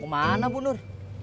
mau kemana bu nur